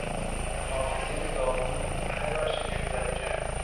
حافظهی داوود همه را شگفتزده کرد.